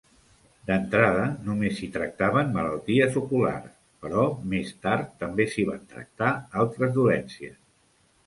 D'entrada, només s'hi tractaven malalties oculars, però més tard, també s'hi van tractar altres dolències.